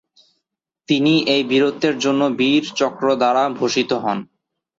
তিনি এই বীরত্বের জন্য বীর চক্র দ্বারা ভূষিত হন।